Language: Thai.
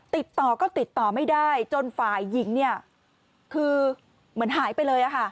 ติดต่อก็ติดต่อไม่ได้จนฝ่ายหญิงเนี่ยคือเหมือนหายไปเลยค่ะ